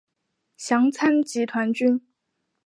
详参集团军。